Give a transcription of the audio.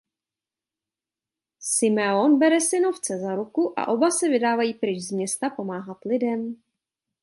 Simeon bere synovce za ruku a oba se vydávají pryč z města pomáhat lidem.